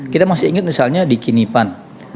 kita masih ingat misalnya di kinipan